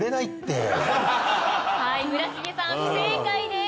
村重さん不正解です。